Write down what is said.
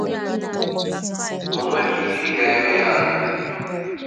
o nweghị ihe ga-eme ha.